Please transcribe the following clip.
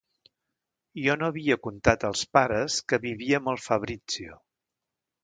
Jo no havia contat als pares que vivia amb el Fabrizio...